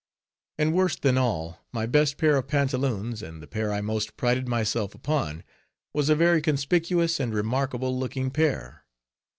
And worse than all, my best pair of pantaloons, and the pair I most prided myself upon, was a very conspicuous and remarkable looking pair.